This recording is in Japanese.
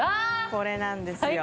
これなんですよ。